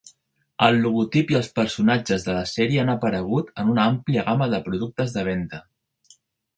El logotip i els personatges de la sèrie han aparegut en una àmplia gamma de productes de venta.